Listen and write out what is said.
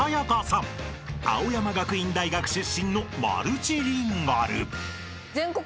［青山学院大学出身のマルチリンガル］